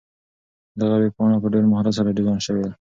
دغه ویبپاڼه په ډېر مهارت سره ډیزاین شوې ده.